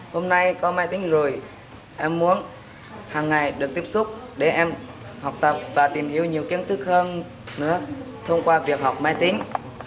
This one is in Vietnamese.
hôm nay có máy tính rồi em muốn hằng ngày được tiếp xúc để em học tập và tìm hiểu nhiều kiến thức hơn nữa thông qua việc học máy tính